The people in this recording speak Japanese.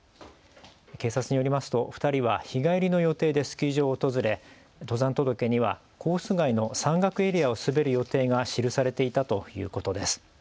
警察によりますと２人は日帰りの予定でスキー場を訪れ登山届にはコース外の山岳エリアを滑る予定が記されていたということです。